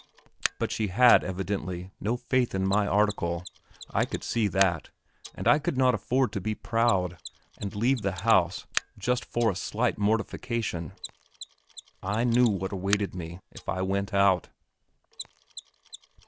But she had evidently no faith in my article, I could see that; and I could not afford to be proud, and leave the house, just for a slight mortification; I knew what awaited me if I went out.